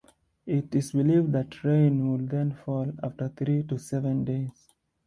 It is believed that rain would then fall after three to seven days.